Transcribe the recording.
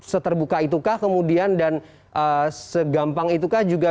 seterbuka itukah kemudian dan segampang itukah juga bisa mengakses data data yang ada di luar jawa dan bali